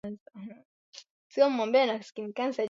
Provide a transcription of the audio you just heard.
unaweza kufunika viazi kwa mgomba